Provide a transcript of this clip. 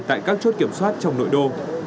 tại các chốt kiểm soát trong nội đô